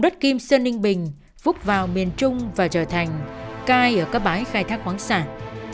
đất kim sơn ninh bình phúc vào miền trung và trở thành cai ở các bãi khai thác khoáng sản